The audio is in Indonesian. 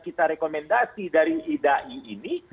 kita rekomendasi dari idai ini